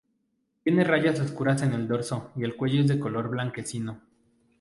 Tiene rayas oscuras en el dorso y el cuello es de color blanquecino.